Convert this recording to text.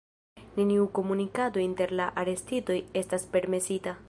Neniu komunikado inter la arestitoj estas permesita.